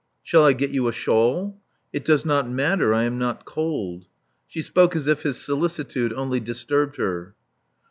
'* Shall I get you a shawl?" It does not matter: I am not cold." She spoke as if his solicitude only disturbed her.